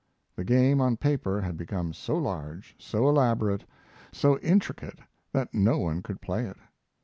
The game on paper had become so large, so elaborate, so intricate, that no one could play it.